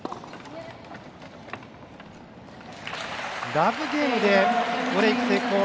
ラブゲームでブレーク成功！